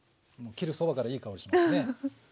もう切るそばからいい香りしますね！